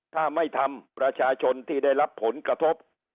ถ้าไม่ทำประชาชนที่ได้รับผลกระทบ